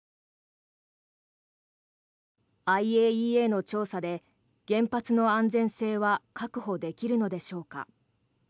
ＩＡＥＡの調査で原発の安全性は確保できるのでしょうか。